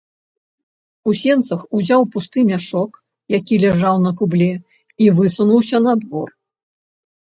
У сенцах узяў пусты мяшок, які ляжаў на кубле, і высунуўся на двор.